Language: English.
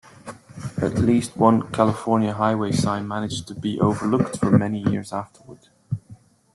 At least one California highway sign managed to be overlooked for many years afterward.